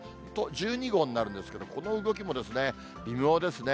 １２号になるんですけど、この動きも、微妙ですね。